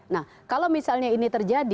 nah kalau misalnya ini terjadi